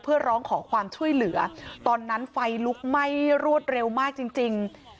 เพื่อร้องขอความช่วยเหลือตอนนั้นไฟลุกไหม้รวดเร็วมากจริง